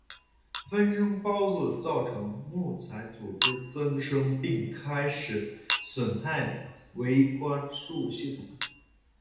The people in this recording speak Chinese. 分生孢子造成木材组织增生并开始损害维管束系统。